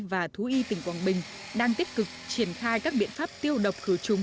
và thú y tỉnh quảng bình đang tích cực triển khai các biện pháp tiêu độc khử trùng